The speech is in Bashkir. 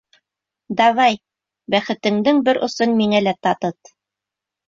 Давай, бәхетеңдең бер осон миңә лә татыт.